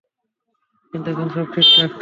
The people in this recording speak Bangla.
কিন্তু এখন সব ঠিকঠাক।